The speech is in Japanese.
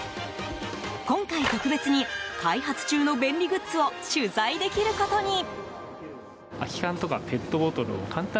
今回、特別に開発中の便利グッズを取材できることに。